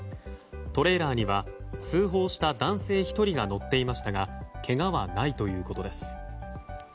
トレーラーには通報した男性１人が乗っていましたがけがはないということです。